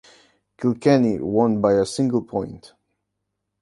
Kilkenny won by a single point.